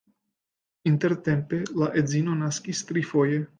Intertempe la edzino naskis trifoje.